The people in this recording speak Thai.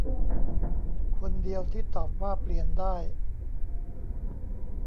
คนเดียวที่ตอบว่าเปลี่ยนได้